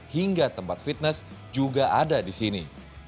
hingga tempat fitness juga ada di sini